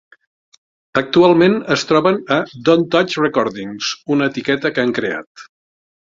Actualment es troben a Don't Touch Recordings, una etiqueta que han creat.